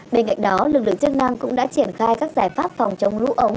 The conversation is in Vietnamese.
bên cạnh đó lực lượng chức năng cũng đã triển khai các giải pháp phòng chống lũ ống